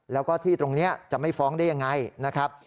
แล้วก็ที่ตรงนี้จะไม่ฟ้องได้ยังไงนะครับ